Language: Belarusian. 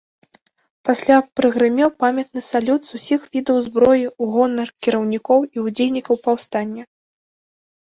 Пасля прагрымеў памятны салют з усіх відаў зброі у гонар кіраўнікоў і ўдзельнікаў паўстання.